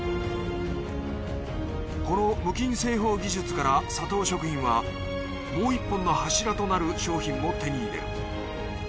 この無菌製法技術からサトウ食品はもう一本の柱となる商品を手に入れる。